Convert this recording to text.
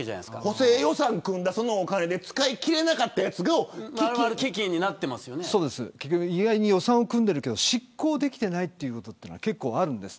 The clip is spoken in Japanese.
補正予算を組んだお金で使い切れなかったやつが予算を組んでるけど執行ができていないというのが結構あるんです。